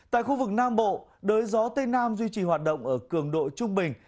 tại khu vực nam bộ đới gió tây nam duy trì hoạt động ở cường độ trung bình